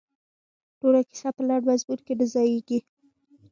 ټوله کیسه په لنډ مضمون کې نه ځاییږي.